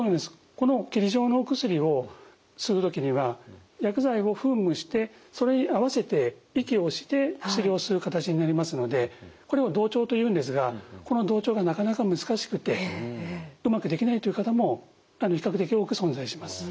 この霧状のお薬を吸う時には薬剤を噴霧してそれに合わせて息をして薬を吸う形になりますのでこれを同調というんですがこの同調がなかなか難しくてうまくできないという方も比較的多く存在します。